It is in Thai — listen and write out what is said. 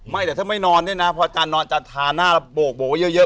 ไม่แต่ถ้าไม่นอนเนี่ยนะพอจานนอนจะถาหน้าโบกเยอะ